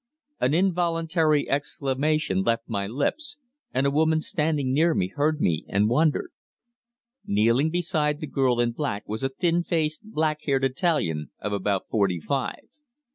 An involuntary exclamation left my lips, and a woman standing near me heard me, and wondered. Kneeling beside the girl in black was a thin faced, black haired Italian of about forty five.